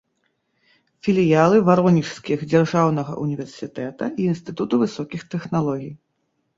Філіялы варонежскіх дзяржаўнага ўніверсітэта і інстытута высокіх тэхналогій.